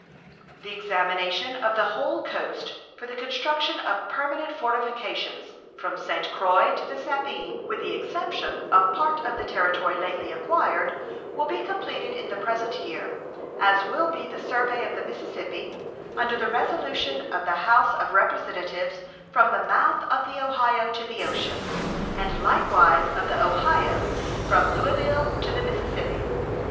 The examination of the whole coast, for the construction of permanent fortifications, from St. Croix to the Sabine, with the exception of part of the territory lately acquired, will be completed in the present year, as will be the survey of the Mississippi, under the resolution of the House of Representatives, from the mouth of the Ohio to the ocean, and likewise of the Ohio from Louisville to the Mississippi.